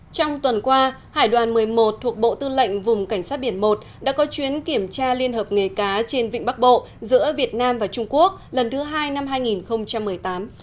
trong tuần qua hải đoàn một mươi một thuộc bộ tư lệnh vùng cảnh sát biển một đã có chuyến kiểm tra liên hợp nghề cá trên vịnh bắc bộ giữa việt nam và trung quốc lần thứ hai năm hai nghìn một mươi tám